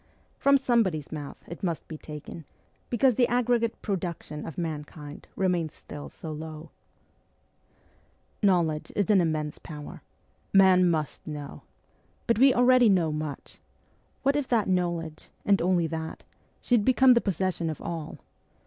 From somebody's mouth it must be taken, because the aggregate production of mankind remains still so low. ST. PETERSBURG 21 Knowledge is an immense power. Man must know. But we already know much ! What if that knowledge and only that should become the posses sion of all